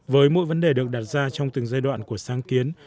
với mỗi vấn đề được đặt ra trong từng giai đoạn của sáng kiến